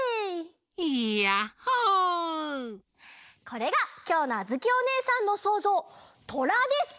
これがきょうのあづきおねえさんのそうぞうトラです！